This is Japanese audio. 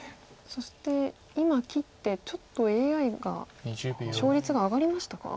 そして今切ってちょっとＡＩが勝率が上がりましたか？